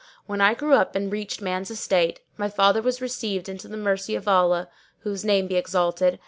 When I grew up and reached man's estate, my father was received into the mercy of Allah (whose Name be exalted!)